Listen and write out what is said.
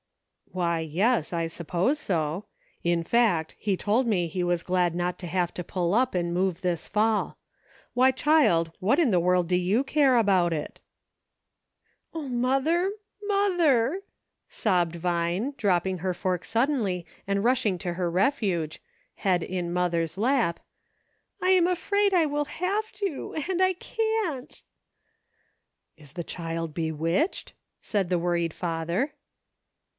" Why, yes, I suppose so ; in fact, he told me he was glad not to have to pull up and move this fall. Why, child, what in the world do you care about it .?"" O, rhother, mother !" sobbed Vine, dropping her fork suddenly and rushing to her refuge — head in mother's lap —" I'm afraid I will have to, and I can't." " Is the child bewitched ?" said the worried father.